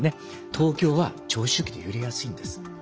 東京は長周期で揺れやすいんです。